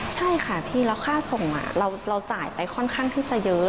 ใช่ค่ะพี่แล้วค่าส่งเราจ่ายไปค่อนข้างที่จะเยอะ